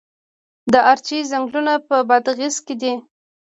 د ارچې ځنګلونه په بادغیس کې دي؟